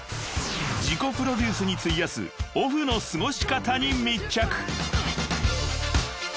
［自己プロデュースに費やすオフのすごし方に密着］